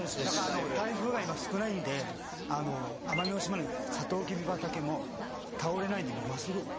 台風が今少ないんで奄美大島のサトウキビ畑も倒れないんで今真っすぐ。